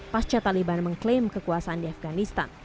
pasca taliban mengklaim kekuasaan di afganistan